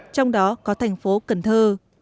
trong đó có thành phố cần thơ